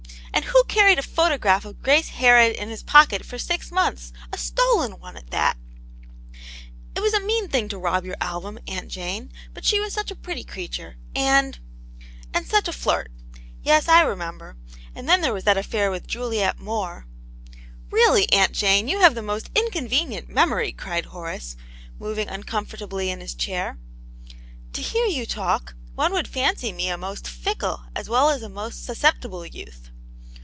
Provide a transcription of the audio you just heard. " And who carried a photograph of Grace Harrod in his pocket for six months ; a stolen one at that ?"" It was a mean thing to rob your album, Aunt Jane, but she was such a pretty creature, and '*" And such a flirt ; yes, I remember ; and then there was that affair with Juliet Moore —:—"" Really, Aunt Jane, you have the most inconve nient memory !" cried Horace, moving uncomfortably in his chair. "To hear you talk, one would fancy me a most fickle as well as a most susceptible youth.